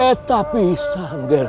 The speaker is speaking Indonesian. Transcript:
kekalahan patih manggala